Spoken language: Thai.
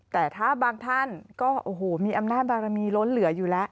แต่ถ้าบางท่านก็โอ้โหมีอำนาจบารมีล้นเหลืออยู่แล้ว